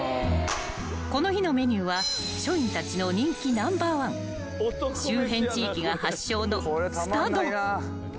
［この日のメニューは署員たちの人気ナンバーワン周辺地域が発祥のスタ丼］